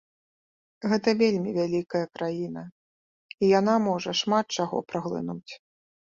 Гэта вельмі вялікая краіна, і яна можа шмат чаго праглынуць.